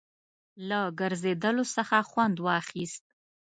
له ګرځېدلو څخه خوند واخیست.